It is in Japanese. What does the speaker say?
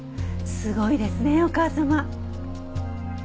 すごいですねお母様。